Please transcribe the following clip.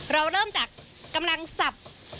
เราเริ่มจากกำลังสับ